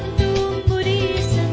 cinta tumbuh di setiap saat